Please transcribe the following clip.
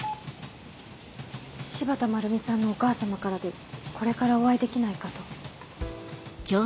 柴田まるみさんのお母様からでこれからお会いできないかと。